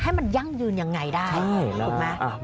ให้มันยั่งยืนยังไงได้ถูกไหม